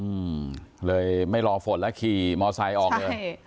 อืมเลยไม่รอฝนแล้วขี่มอไซค์ออกเลย